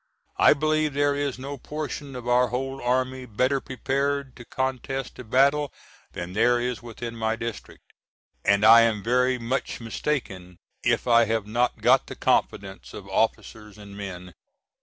I believe there is no portion of our whole army better prepared to contest a battle than there is within my district, and I am very much mistaken if I have not got the confidence of officers and men.